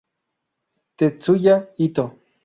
Tetsuya Ito